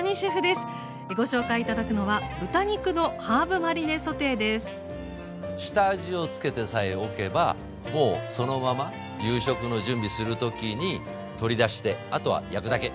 ご紹介頂くのは下味をつけてさえおけばもうそのまま夕食の準備する時に取り出してあとは焼くだけ。